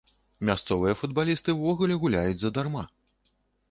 Мясцовыя футбалісты ўвогуле гуляюць задарма.